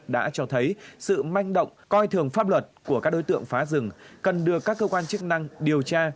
đã cho thấy sự manh động coi thường pháp luật của các đối tượng phá rừng cần được các cơ quan chức năng điều tra